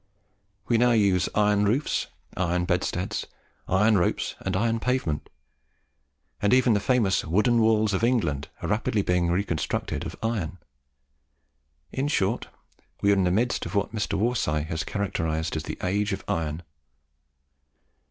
We now use iron roofs, iron bedsteads, iron ropes, and iron pavement; and even the famous "wooden walls of England" are rapidly becoming reconstructed of iron. In short, we are in the midst of what Mr. Worsaae has characterized as the Age of Iron.